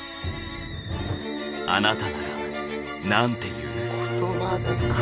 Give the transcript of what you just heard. あなたならなんて言う？